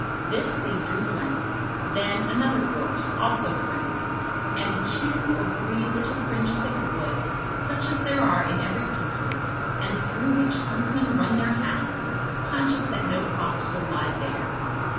This they drew blank, then another gorse also blank, and two or three little fringes of wood, such as there are in every country, and through which huntsmen run their hounds, conscious that no fox will lie there.